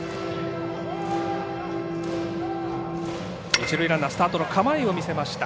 一塁ランナースタートの構えを見せました。